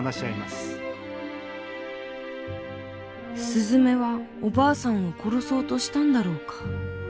すずめはおばあさんを殺そうとしたんだろうか。